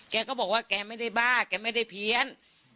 แกก็บอกว่าแกไม่ได้บ้าแกไม่ได้เพี้ยน